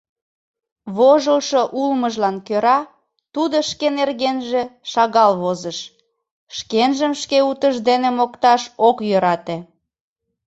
Вожылшо улмыжлан кӧра тудо шке нергенже шагал возыш, шкенжым шке утыждене мокташ ок йӧрате.